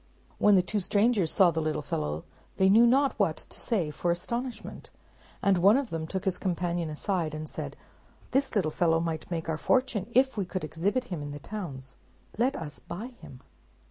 When the two strangers saw the little fellow, they knew not what to say for astonishment; and one of them took his companion aside, and said, "This little fellow might make our fortune if we could exhibit him in the towns. Let us buy him."